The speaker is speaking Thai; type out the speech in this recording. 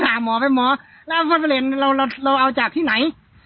ก็ถามหมอไปครับแล้วฟอสเฟรดเราเอาจากที่ไหน